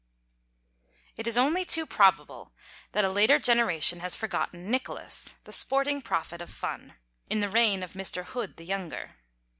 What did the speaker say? It is only too probable that a later generation has forgotten "Nicholas," the sporting Prophet of "Fun," in the reign of Mr. Hood the younger.